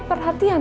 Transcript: aku ikutin ah